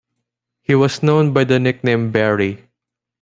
He was known by the nickname Berry.